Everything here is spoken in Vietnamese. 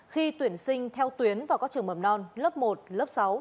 khi tuyển sinh theo tuyến vào các trường mầm non lớp một lớp sáu